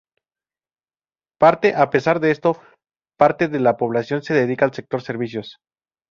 Parte a pesar de esto parte de la población se dedica al sector servicios.